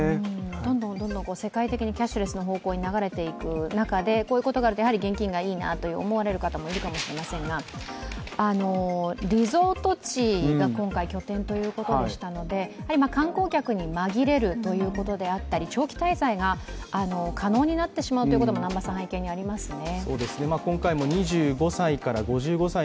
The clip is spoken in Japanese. どんどん世界的にキャッシュレスの方向に流れていく中でこういうことがあるとやはり現金がいいなと思われる方もいるかもしれませんがリゾート地が今回拠点ということでしたので、観光客に紛れるということであったり、長期滞在が可能になってしまうということも背景にありますね。